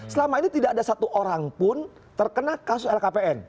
selama ini tidak ada satu orang pun terkena kasus lkpn